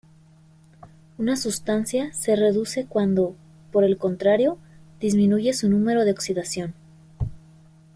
Una sustancia se reduce cuando, por el contrario, disminuye su número de oxidación.